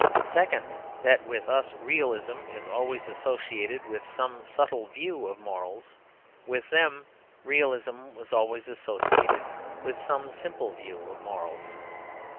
Second, that with us realism is always associated with some subtle view of morals; with them realism was always associated with some simple view of morals.